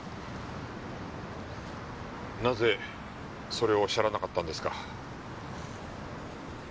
なぜそれをおっしゃらなかったんですか？